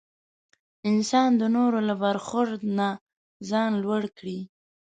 انسان د نورو له برخورد نه ځان لوړ کړي.